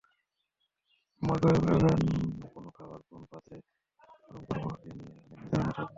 Microwave ওভেনে কোন খাবার কোন পাত্রে গরম করব—এ নিয়ে অনেক দ্বিধাদ্বন্দ্ব থাকে।